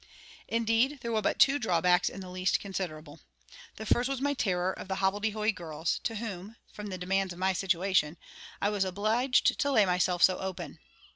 Indeed, there were but two drawbacks in the least considerable. The first was my terror of the hobbledehoy girls, to whom (from the demands of my situation) I was obliged to lay myself so open.